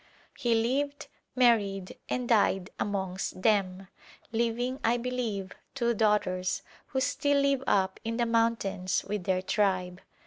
He lived, married, and died amongst them, leaving, I believe, two daughters, who still live up in the mountains with their tribe.